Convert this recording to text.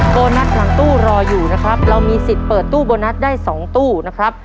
โบนัสหลังตู้รออยู่นะครับเรามีสิทธิ์เปิดตู้โบนัสได้๒ตู้นะครับ